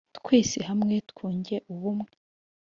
Twese hamwe, twunge ubumwe